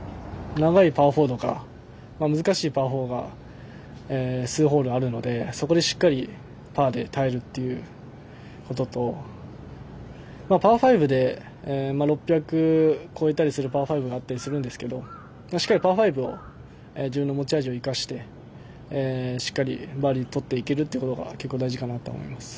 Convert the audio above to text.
長いパー４とか難しいパー４が数ホールあるのでそこでしっかりパーで耐えるっていうこととパー５で、６００を越えたりするパー５があったりするんですけどしっかりパー５を自分の持ち味を生かしてバーディーとっていけるかが結構大事かなと思います。